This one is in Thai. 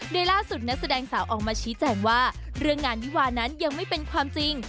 โดยล่าสุดนักแสดงสาวออกมาชี้แจงว่าเรื่องงานวิวานั้นยังไม่เป็นความจริง